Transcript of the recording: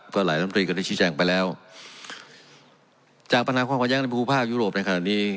ก็หลายลำตรีก็ได้ชี้แจงไปแล้วจากปัญหาความขัดแย้งในภูมิภาคยุโรปในขณะนี้